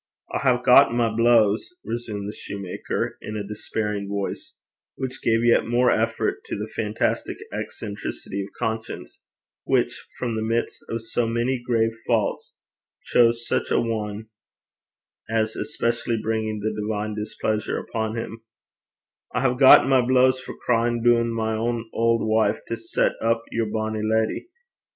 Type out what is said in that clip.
'I hae gotten my pecks (blows),' resumed the soutar, in a despairing voice, which gave yet more effect to the fantastic eccentricity of conscience which from the midst of so many grave faults chose such a one as especially bringing the divine displeasure upon him: 'I hae gotten my pecks for cryin' doon my ain auld wife to set up your bonny leddy.